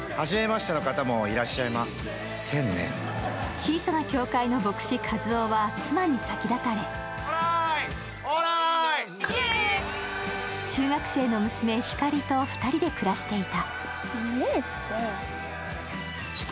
小さな協会の牧師・一男は妻に先立たれ、中学生の娘、ひかりと２人で暮らしていた。